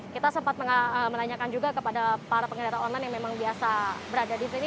kita sempat menanyakan juga kepada para pengendara online yang memang biasa berada di sini